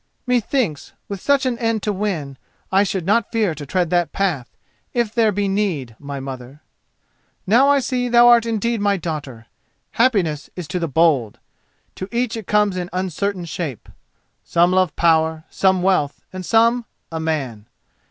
"Methinks, with such an end to win, I should not fear to tread that path, if there be need, my mother." "Now I see thou art indeed my daughter. Happiness is to the bold. To each it comes in uncertain shape. Some love power, some wealth, and some—a man.